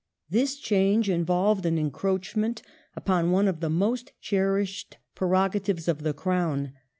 This change involved an encroachment upon one of the most cherished prerogatives of the Crown.